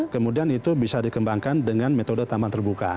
kemudian itu bisa dikembangkan dengan metode taman terbuka